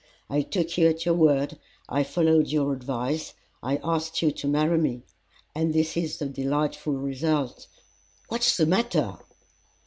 I took you at your word, I followed your advice, I asked you to marry me, and this is the delightful result what's the matter?"